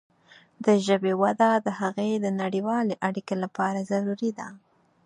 د ژبې وده د هغې د نړیوالې اړیکې لپاره ضروري ده.